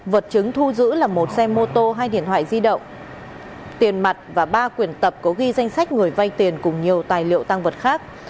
vật chứng thu giữ là một xe mô tô hai điện thoại di động tiền mặt và ba quyền tập có ghi danh sách người vay tiền cùng nhiều tài liệu tăng vật khác